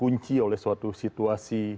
terkunci oleh suatu situasi